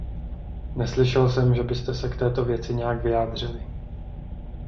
Neslyšel jsem, že byste se k této věci nějak vyjádřili.